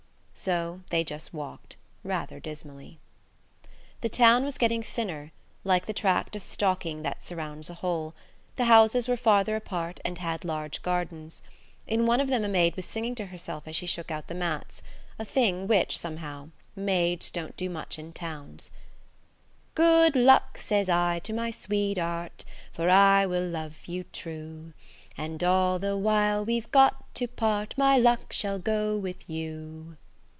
So they just walked, rather dismally. The town was getting thinner, like the tract of stocking that surrounds a hole; the houses were farther apart and had large gardens. In one of them a maid was singing to herself as she shook out the mats–a thing which, somehow, maids don't do much in towns. "Good luck!" says I to my sweetheart, "For I will love you true; And all the while we've got to part, My luck shall go with you."